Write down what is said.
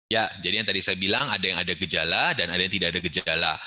ya jadi yang tadi saya bilang ada yang ada gejala dan ada yang tidak ada gejala